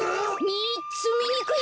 みっつみにくい